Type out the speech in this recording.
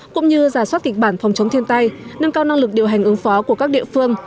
cũng như giả soát kịch bản phòng chống thiên tai nâng cao năng lực điều hành ứng phó của các địa phương